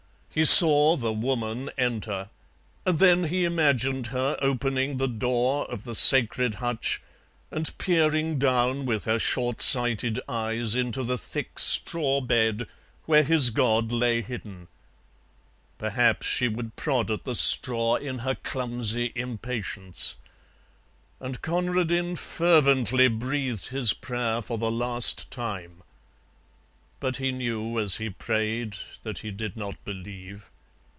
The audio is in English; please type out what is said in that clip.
He saw the Woman enter, and then he imagined her opening the door of the sacred hutch and peering down with her short sighted eyes into the thick straw bed where his god lay hidden. Perhaps she would prod at the straw in her clumsy impatience. And Conradin fervently breathed his prayer for the last time. But he knew as he prayed that he did not believe.